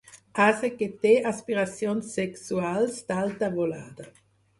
Ase que té aspiracions sexuals d'alta volada.